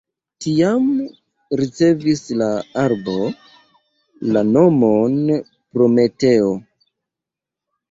Tiam ricevis la arbo la nomon Prometeo.